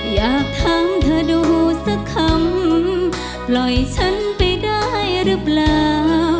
อยากถามเธอดูสักคำปล่อยฉันไปได้หรือเปล่า